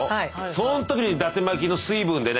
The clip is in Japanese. そんときにだて巻きの水分でね